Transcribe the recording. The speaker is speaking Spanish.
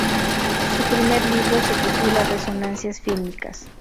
Su primer libro se titula "Resonancias fílmicas.